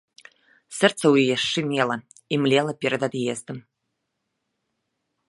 Сэрца ў яе шчымела і млела перад ад'ездам.